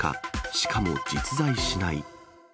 しかも実在しない。